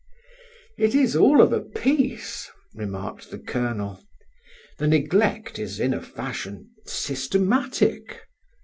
"It is all of a piece," remarked the Colonel. "The neglect is in a fashion systematic."